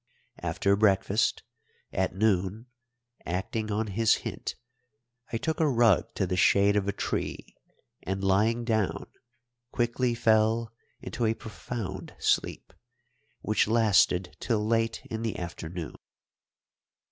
After breakfast, at noon, acting on his hint, I took a rug to the shade of a tree and, lying down, quickly fell into a profound sleep, which lasted till late in the afternoon.